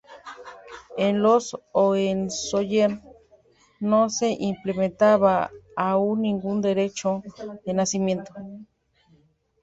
En los Hohenzollern no se implementaba aún ningún derecho de nacimiento.